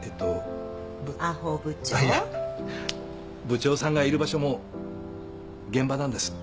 部長さんがいる場所も現場なんです。